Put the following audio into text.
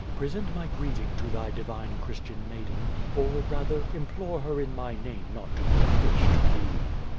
Present my greeting to tliy divine Christian maiden, or, rather, implore her in my name not to be a fish to thee.